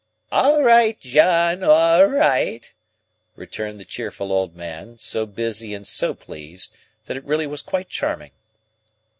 "All right, John, all right!" returned the cheerful old man, so busy and so pleased, that it really was quite charming.